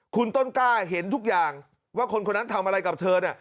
คุณต้นกล้าเห็นทุกอย่างว่าคนคนนั้นทำอะไรกับเธอเนี่ย